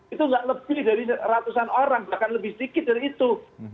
itu tidak lebih dari ratusan orang bahkan lebih sedikit dari itu